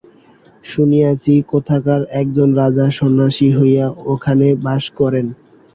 শুনিয়াছি কোথাকার একজন রাজা সন্ন্যাসী হইয়া ওখানে বাস করেন।